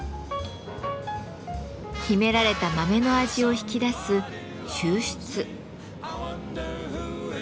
秘められた豆の味を引き出す「抽出」。